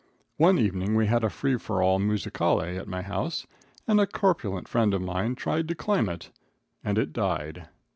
One evening we had a free for all musicale at my house, and a corpulent friend of mine tried to climb it, and it died.